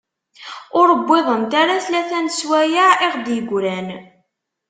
Ur wwiḍent ara tlata n sswayeε i ɣ-d-yegran.